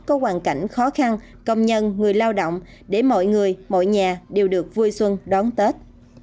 có hoàn cảnh khó khăn công nhân người lao động để mọi người mọi nhà đều được vui xuân đón tết